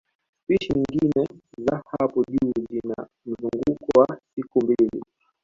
Spishi nyingine za hapo juu zina mzunguko wa siku mbili